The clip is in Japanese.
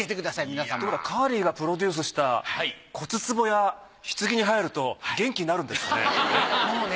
皆さん。ってことはカーリーがプロデュースした骨壺や棺に入ると元気になるんですかね？